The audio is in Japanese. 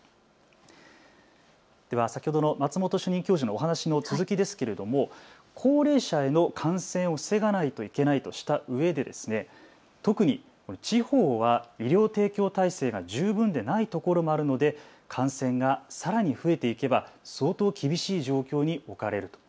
では先ほどの松本主任教授のお話の続きですけれども高齢者への感染を防がないといけないとしたうえで特に地方は医療提供体制が十分でないところもあるので感染がさらに増えていけば相当厳しい状況に置かれると。